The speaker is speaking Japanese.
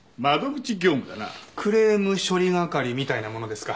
クレーム処理係みたいなものですか。